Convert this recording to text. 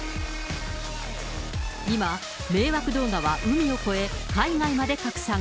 今、迷惑動画は海を越え、海外まで拡散。